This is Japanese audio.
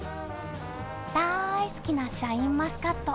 大好きなシャインマスカット。